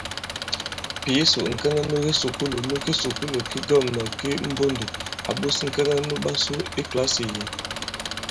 Pǐsò, ŋ̀kɛŋɛ nu kisùkulù i kisùkulù ki ŋgɔ̂mnà ki Mbondo à ɓos ŋ̀kɛŋɛ nuɓasu nu kìlasì yě.